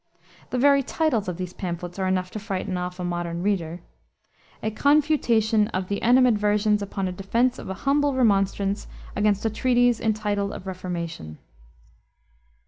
The very titles of these pamphlets are enough to frighten off a modern reader: A Confutation of the Animadversions upon a Defense of a Humble Remonstrance against a Treatise, entitled Of Reformation.